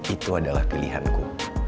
itu adalah pilihanku